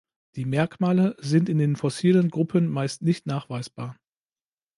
Die Merkmale sind in den fossilen Gruppen meist nicht nachweisbar.